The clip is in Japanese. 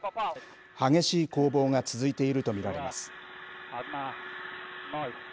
激しい攻防が続いていると見られます。